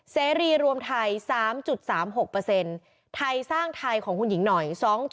เสรีรวมไทย๓๓๖ไทยสร้างไทยของคุณหญิงหน่อย